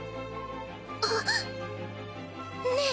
あっねえ